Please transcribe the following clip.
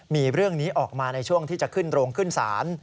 มีเรื่องนี้ออกมาในช่วงที่จะขึ้นโรงขึ้นศาล